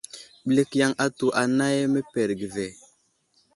Ɓəlik yaŋ atu anay məpərge ve.